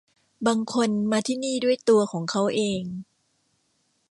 บางคนมาที่นี่ด้วยตัวของเค้าเอง